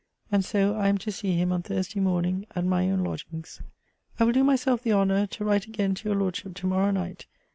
And so I am to see him on Thursday morning at my own lodgings. I will do myself the honour to write again to your Lordship to morrow night.